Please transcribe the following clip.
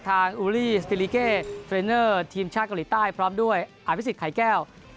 ทางอุลีสติริเกทีมชาติเกาหลีใต้พร้อมด้วยอภิสิตไข่แก้ว